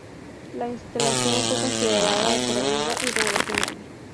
La instalación fue considerada atrevida y revolucionaria.